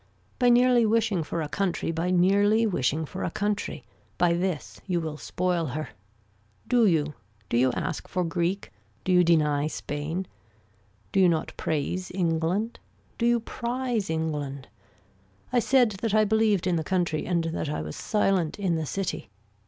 By nearly wishing for a country by nearly wishing for a country, by this you will spoil her. Do you. Do you ask for Greek. Do you deny Spain. Do you not praise England. Do you prize England. I said that I believed in the country and that I was silent in the city.